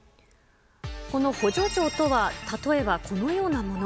この補助錠とは、例えばこのような物。